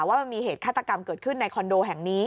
ว่ามันมีเหตุฆาตกรรมเกิดขึ้นในคอนโดแห่งนี้